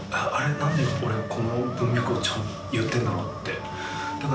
何で俺この文脈を言ってんだろうって。